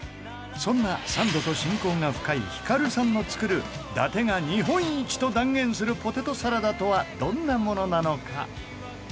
そんなサンドと親交が深い光さんの作る伊達が日本一と断言するポテトサラダとはどんなものなのか？